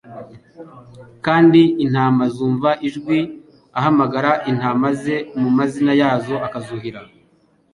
kandi intama zumva ijwi rye, ahamagara intama ze mu mazina yazo, akazahura.